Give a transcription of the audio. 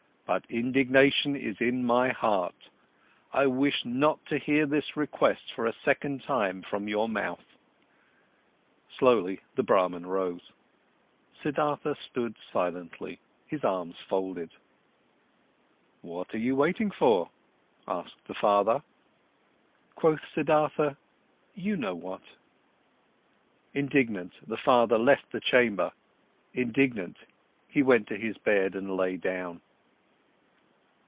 But indignation is in my heart. I wish not to hear this request for a second time from your mouth." Slowly, the Brahman rose; Siddhartha stood silently, his arms folded. "What are you waiting for?" asked the father. Quoth Siddhartha: "You know what." Indignant, the father left the chamber; indignant, he went to his bed and lay down.